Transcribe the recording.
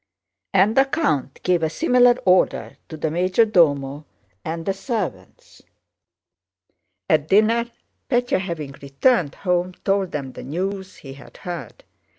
And the count gave a similar order to the major domo and the servants. At dinner Pétya having returned home told them the news he had heard.